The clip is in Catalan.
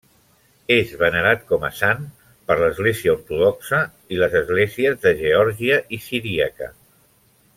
És venerat com a sant per l'Església Ortodoxa i les esglésies de Geòrgia i Siríaca.